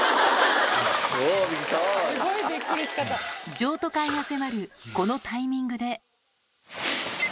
譲渡会が迫るこのタイミングで。